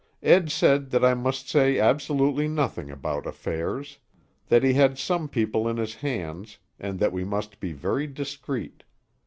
Ed said that I must say absolutely nothing about affairs. That he had some people in his hands, and that we must be very discreet.